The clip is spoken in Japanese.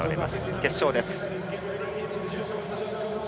決勝です。